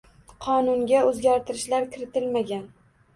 Qonunga o'zgartirishlar kiritilmagan.